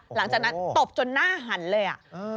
หลังจากนั้นตบจนหน้าหันเลย